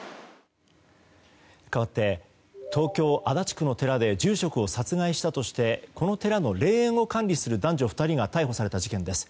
かわって東京・足立区の寺で住職を殺害したとしてこの寺の霊園を管理する２人が逮捕された事件です。